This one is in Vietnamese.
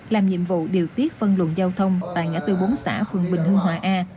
làm nhiệm vụ điều tiết phân luận giao thông tại ngã tư bốn xã phường bình hưng hòa a